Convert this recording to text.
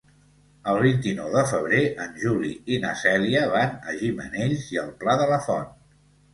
El vint-i-nou de febrer en Juli i na Cèlia van a Gimenells i el Pla de la Font.